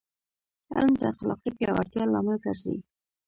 علم د اخلاقي پیاوړتیا لامل ګرځي.